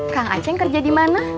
kak ngaceng kerja di mana